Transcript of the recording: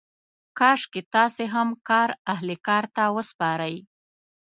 کاشکې تاسې هم کار اهل کار ته وسپارئ.